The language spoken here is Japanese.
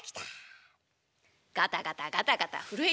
ガタガタガタガタ震えてる。